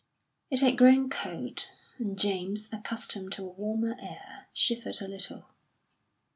It had grown cold, and James, accustomed to a warmer air, shivered a little.